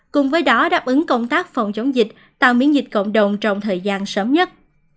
cùng với đó đáp ứng công tác phòng chống dịch tạo miễn dịch cộng đồng trong thời gian sớm nhất